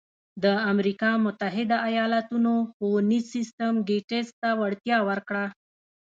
د امریکا متحده ایالتونو ښوونیز سیستم ګېټس ته وړتیا ورکړه.